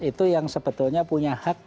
itu yang sebetulnya punya hak